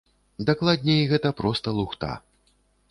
Дакладней, гэта проста лухта.